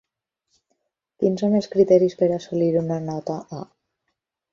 Quins són els criteris per assolir una nota A?